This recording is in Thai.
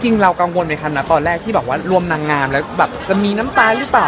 จริงเรากังวลไหมค่ะตอนแรกที่บอกว่ารวมนางนามแล้วจะมีน้ำตาลรึเปล่า